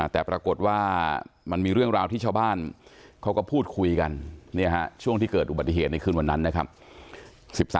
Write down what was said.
แต่ปรากฏว่ามันมีเรื่องราวที่ชาวบ้านเขาก็พูดคุยกันช่วงที่เกิดอุบัติเหตุในคืนวันนั้นนะครับ